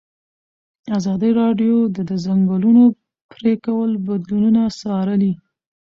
ازادي راډیو د د ځنګلونو پرېکول بدلونونه څارلي.